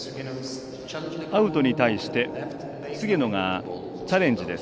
アウトに対して菅野がチャレンジです。